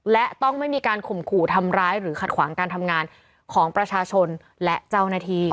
และต้องไม่มีการข่มขู่ทำร้ายหรือขัดขวางการทำงานของประชาชนและเจ้าหน้าที่